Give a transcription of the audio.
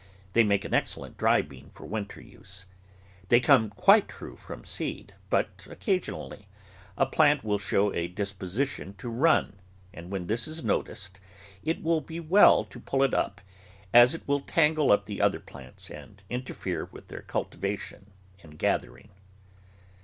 They make an excellent dry bean for winter use. They come quite true from seed, but occasionally a plant will show a disposition to run, and when this is noticed, it will be well to pull it up, as it will tangle up the other plants and interfere with their cultivation and gathering.